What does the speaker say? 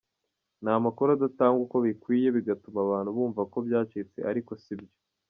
Ni amakuru adatangwa uko bikwiye bigatuma abantu bumva ko byacitse ariko sibyo.